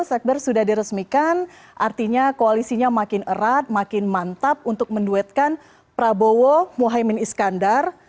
sekber sudah diresmikan artinya koalisinya makin erat makin mantap untuk menduetkan prabowo muhaymin iskandar